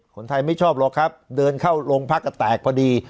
คนไทยไม่ชอบหรอกครับเดินเข้าโรงพักก็แตกพอดี